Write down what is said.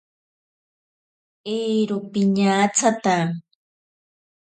Eiro piñatsata.